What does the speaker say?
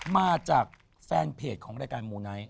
มาจากแฟนเพจของรายการมูไนท์